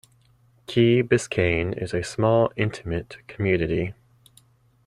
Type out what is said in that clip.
Key Biscayne is a small, intimate community.